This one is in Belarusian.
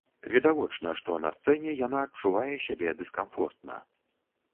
Відавочна, што на сцэне яна адчувае сябе дыскамфортна.